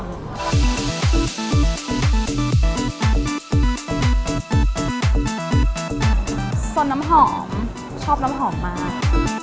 ส่วนน้ำหอมชอบน้ำหอมมาก